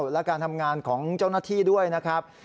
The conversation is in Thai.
และการทำงานของเจ้าหน้าที่ด้วยนะครับ